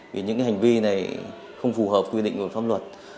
vì những hành vi này không phù hợp quy định của pháp luật